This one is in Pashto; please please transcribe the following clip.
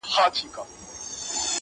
د منصوري قسمت مي څو کاڼي لا نور پاته دي،